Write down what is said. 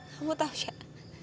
kamu tahu syed